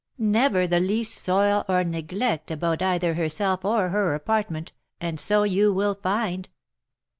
Never the least soil or neglect about either herself or her apartment, and so you will find."